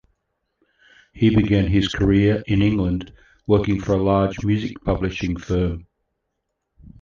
He began his career in England working for a large music publishing firm.